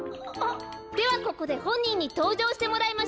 ではここでほんにんにとうじょうしてもらいましょう。